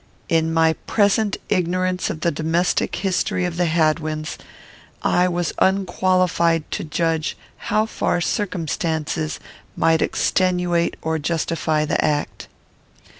In my present ignorance of the domestic history of the Hadwins, I was unqualified to judge how far circumstances might extenuate or justify the act.